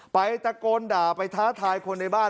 ตะโกนด่าไปท้าทายคนในบ้าน